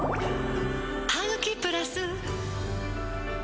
「ハグキプラス」